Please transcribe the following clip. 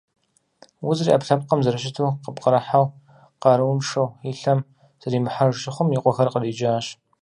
Узыр и ӏэпкълъэпкъым зэрыщыту къыпкърыхьэу, къарууншэ, и лъэм зэримыхьэж щыхъум, и къуэхэр къриджащ.